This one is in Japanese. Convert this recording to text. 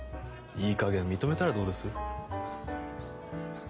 いいかげん認めたらどうです？